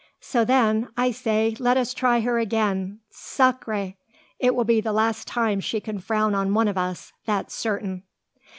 So then, I say, let us try her again. Sacre! it will be the last time she can frown on one of us, that's certain."